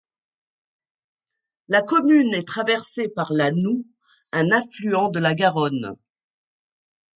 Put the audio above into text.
La commune est traversée par la Noue un affluent de la Garonne.